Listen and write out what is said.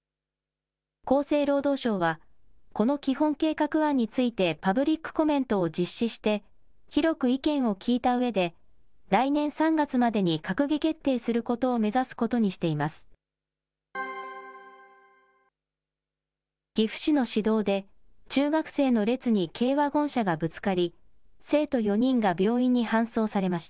厚生労働省は、この基本計画案についてパブリックコメントを実施して、広く意見を聞いたうえで、来年３月までに閣議決定することを目指すことにしています。